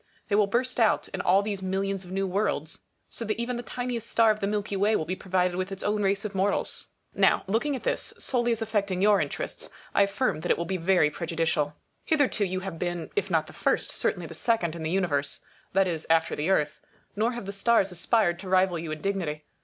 They will burst out in all these millions of new worlds, so that even the tiniest star of the milky way will be provided with its own race of mortals. Now, looking at this, solely as affecting your interests, I affirm that it will be very pre judicial. Hitherto you have been, if not the first, certainly the second in the Universe ; that is, after the Earth ; nor have the stars aspired to rival you in dignity.